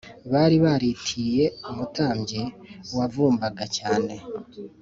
bari baritiriye umuturanyi wavumbaga cyane